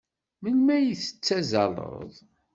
Melmi ay tettazzaleḍ?